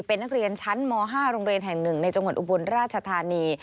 เป็นนักเรียนชั้นม๕โรงเรียนแห่ง๑ในจังหวัดอุบลราชธานี